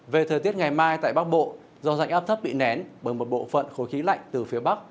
về thời tiết ngày mai tại bắc bộ do rãnh áp thấp bị nén bởi một bộ phận khối khí lạnh từ phía bắc